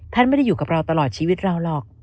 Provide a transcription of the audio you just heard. ท่านไม่ได้อยู่กับเราตลอดชีวิตเราหรอก